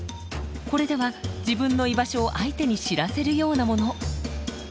これでは自分の居場所を相手に知らせるようなもの。